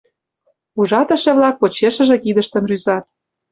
Ужатыше-влак почешыже кидыштым рӱзат.